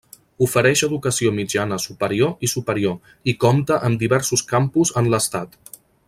Ofereix educació mitjana superior i superior, i compta amb diversos campus en l'estat.